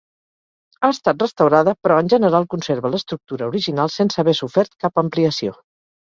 Ha estat restaurada però, en general conserva l'estructura original sense haver sofert cap ampliació.